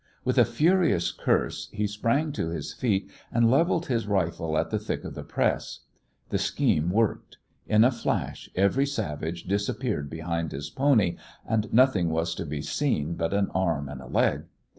With a furious curse, he sprang to his feet and levelled his rifle at the thick of the press. The scheme worked. In a flash every savage disappeared behind his pony, and nothing was to be seen but an arm and a leg.